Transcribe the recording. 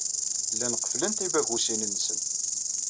Llan qefflen tibagusin-nsen.